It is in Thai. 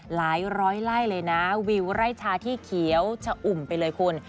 หลายร้อยไล่เลยนะวิวไร่ชาที่เขียวชะอุ่มไปเลยคุณ